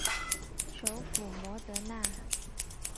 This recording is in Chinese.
首府摩德纳。